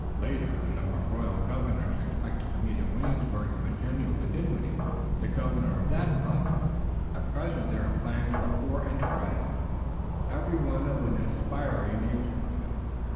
Later, a number of the royal governors expected to meet at Williamsburg in Virginia with Dinwiddie, the governor of that province. "At present there are plans for four enterprises, every one of an aspiring nature," he said.